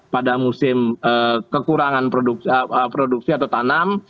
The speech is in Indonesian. pada musim kekurangan produksi atau tanam